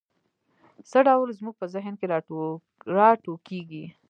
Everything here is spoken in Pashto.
څه ډول زموږ په ذهن کې را ټوکېږي؟